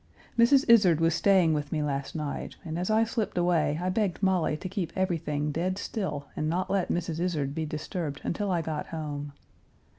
Mrs. Izard was staying with me last night, and as I slipped away I begged Molly to keep everything dead still and not let Mrs. Izard be disturbed until I got home.